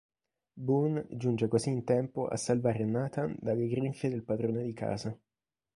Boon giunge così in tempo a salvare Nathan dalle grinfie del padrone di casa.